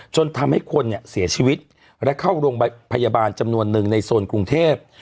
จนทำให้คนเนี่ยเสียชีวิตและเข้าโรงพยาบาลจำนวนหนึ่งในโซนกรุงเทพ